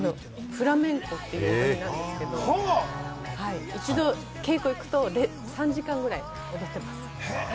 フラメンコなんですけど、一度、稽古に行くと３時間ぐらい踊っています。